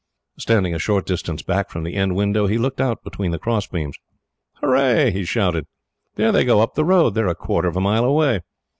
Standing a short distance back from the end window, he looked out between the crossbeams. "Hurrah!" he shouted. "There they go up the road. They are a quarter of a mile away.